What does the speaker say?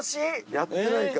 やってないか。